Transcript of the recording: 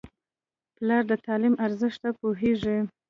پلار د تعلیم ارزښت ته پوهېږي.